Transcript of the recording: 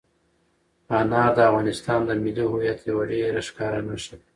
انار د افغانستان د ملي هویت یوه ډېره ښکاره نښه ده.